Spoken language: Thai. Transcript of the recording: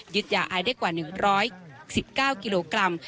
ยาไอได้กว่า๑๑๙กิโลกรัม